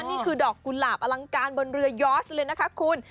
นี่คือดอกกุหลาบอลังการบนเรือยอสเลยนะคะคุณ